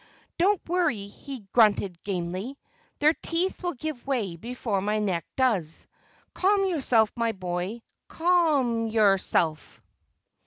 "Don't worry," he grunted gamely, "their teeth will give way before my neck does. Calm yourself, my boy, ca alm your self."